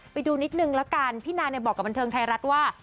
ไปดูนิดนึงละกันพี่นาบอกกับบันเทิงไทยรัฐว่า